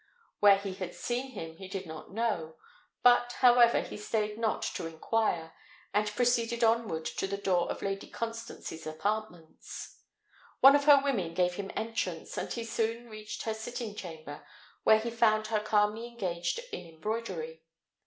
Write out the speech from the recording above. Where he had seen him he did not know; but, however, he staid not to inquire, and proceeded onward to the door of Lady Constance's apartments. One of her women gave him entrance, and he soon reached her sitting chamber, where he found her calmly engaged in embroidery.